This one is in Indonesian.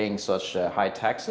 pengisian tax yang tinggi